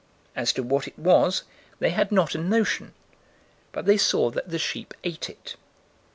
As to what it was, they had not a notion, but they saw that the sheep ate it.